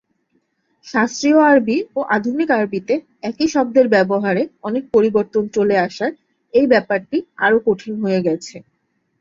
শাস্ত্রীয় আরবি ও আধুনিক আরবিতে একই শব্দের ব্যবহারে অনেক পরিবর্তন চলে আসায় এই ব্যাপারটি আরও কঠিন হয়ে গেছে।